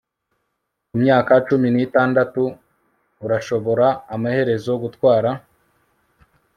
ku myaka cumi n'itandatu, urashobora amaherezo gutwara